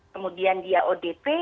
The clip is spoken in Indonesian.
kemudian dia odp